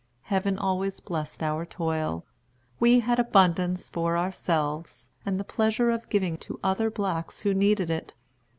Heaven always blessed our toil. We had abundance for ourselves, and the pleasure of giving to other blacks who needed it.